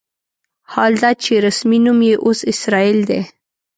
حال دا چې رسمي نوم یې اوس اسرائیل دی.